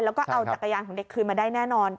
แล้วก็เอาจักรยานของเด็กคืนมาได้แน่นอน